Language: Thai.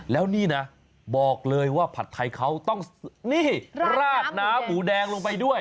แล้วนี่นะบอกเลยว่าผัดไทยเขาต้องนี่ราดน้ำหมูแดงลงไปด้วย